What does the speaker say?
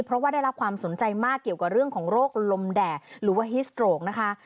เพราะว่าได้รับความสนใจมากเกี่ยวกับเรื่องของโรคลมแดดหรือว่าฮิสโตรกนะคะ